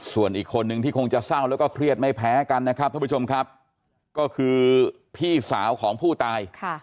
ส่วนอีกคนนึงที่คงจะเศร้าแล้วก็เครียดไม่แพ้กันนะครับท่านผู้ชมครับก็คือพี่สาวของผู้ตาย